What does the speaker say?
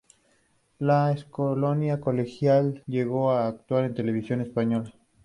La escolanía colegial llegó a actuar en Televisión Española.